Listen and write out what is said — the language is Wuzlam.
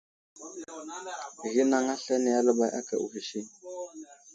Ghinaŋ aslane aləbay aka wusisi.